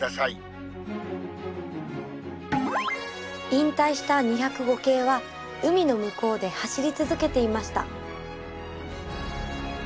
引退した２０５系は海の向こうで走り続けていました。